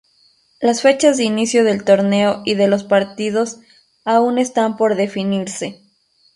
Las fechas de inicio del torneo y de los partidos aún están por definirse.